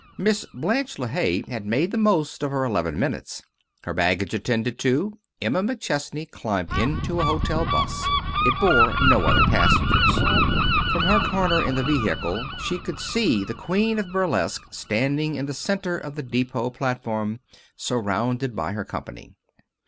Miss Blanche LeHaye had made the most of her eleven minutes. Her baggage attended to, Emma McChesney climbed into a hotel 'bus. It bore no other passengers. From her corner in the vehicle she could see the queen of burlesque standing in the center of the depot platform, surrounded by her company.